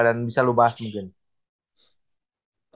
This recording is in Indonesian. dan bisa lu bahas mungkin